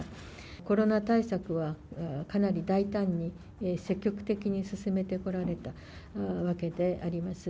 コロナ対策は、かなり大胆に積極的に進めてこられたわけであります。